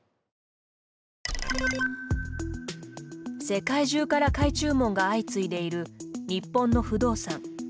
世界中から買い注文が相次いでいる日本の不動産。